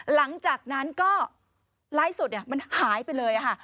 หลังจากนั้นก็ไลฟ์สดมันหายไปเลยค่ะ